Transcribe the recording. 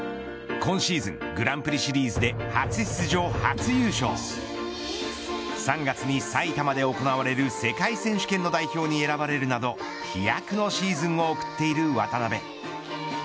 今シーズングランプリシリーズで初出場、初優勝３月に埼玉で行われる世界選手権の代表に選ばれるなど飛躍のシーズンを送っている渡辺。